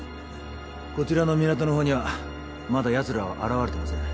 こちらの港のほうにはまだやつらは現れてません。